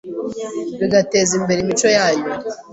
bigateza imbere imico yanyu